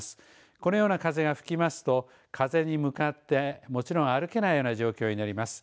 このような風が吹きますと風に向かってもちろん歩けないような状況になります。